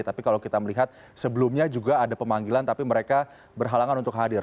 tapi kalau kita melihat sebelumnya juga ada pemanggilan tapi mereka berhalangan untuk hadir